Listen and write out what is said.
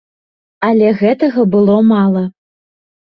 Але гэтага было мала.